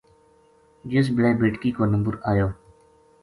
جس بلے بیٹکی کو نمبر آیو۔